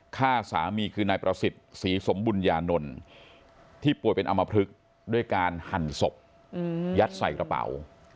ฆ่าสามีคือนายประสิทธิ์ศรีสมบุญญานนท์ที่ป่วยเป็นอำมพลึกด้วยการหั่นศพยัดใส่กระเป๋า